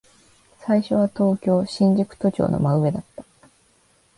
最初は東京、新宿都庁の真上だった。